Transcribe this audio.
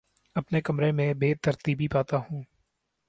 اپنے کمرے میں بے ترتیبی پاتا ہوں